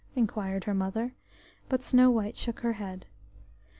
inquired her mother; but Snow white shook her head.